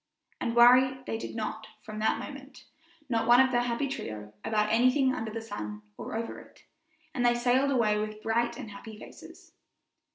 And worry they did not from that moment, not one of the happy trio, about anything under the sun, or over it, and they sailed away with bright and happy faces.